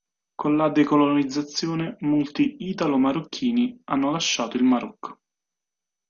Con la decolonizzazione molti italo-marocchini hanno lasciato il Marocco.